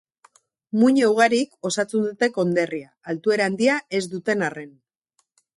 Muino ugarik osatzen dute konderria, altuera handia ez duten arren.